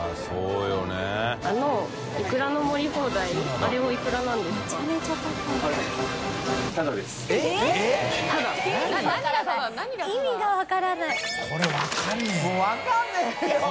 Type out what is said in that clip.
△そうなんですか。